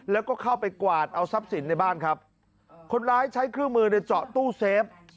แล้วก็เข้าไปกวาดเอาทรัพย์สินในบ้านครับคนร้ายใช้เครื่องมือในเจาะตู้เซฟ